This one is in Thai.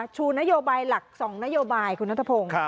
ชูนโยบายหลัก๒นโยบายคุณนัทพงศ์